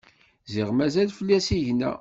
Ziɣ mazal fell-i asigna.